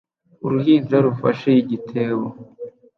Uruhinja rufashe igitebo